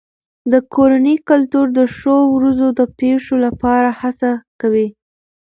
د کورنۍ کلتور د ښو ورځو د پیښو لپاره هڅه کوي.